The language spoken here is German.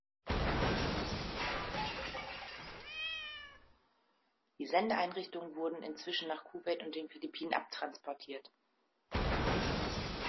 Die Sendeeinrichtungen wurden inzwischen nach Kuwait und den Philippinen abtransportiert.